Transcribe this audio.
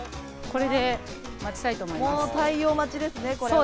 もう太陽待ちですねこれは。